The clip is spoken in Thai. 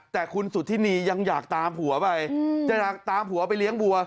แต่คุณสุธินียังอยากตามผัวไปจะตามผัวไปเลี้ยงวัว